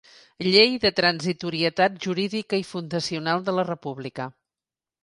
Llei de transitorietat jurídica i fundacional de la República.